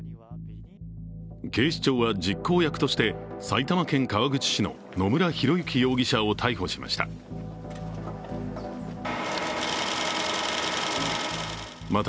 警視庁は実行役として埼玉県川口市の野村広之容疑者を逮捕しました。